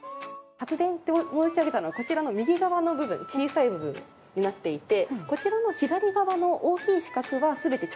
発電って申し上げたのがこちらの右側の部分小さい部分になっていてこちらの左側の大きい四角は全て貯湯タンクになっております。